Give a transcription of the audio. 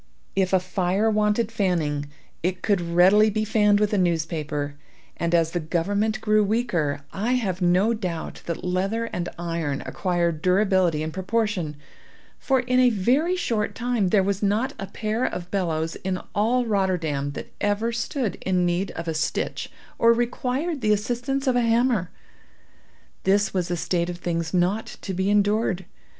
If a fire wanted fanning, it could readily be fanned with a newspaper, and as the government grew weaker, I have no doubt that leather and iron acquired durability in proportion, for, in a very short time, there was not a pair of bellows in all Rotterdam that ever stood in need of a stitch or required the assistance of a hammer. This was a state of things not to be endured.